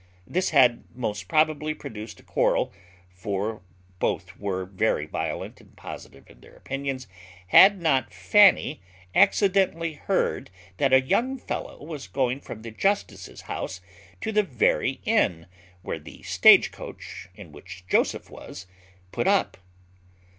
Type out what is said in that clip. This had most probably produced a quarrel (for both were very violent and positive in their opinions), had not Fanny accidentally heard that a young fellow was going from the justice's house to the very inn where the stage coach in which Joseph was, put up.